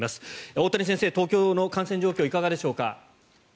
大谷先生、東京の感染状況いかがでしょうか。